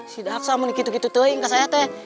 si daksa mau begitu begitu saja